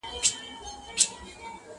پرېږده چي دا سره لمبه په خوله لري.!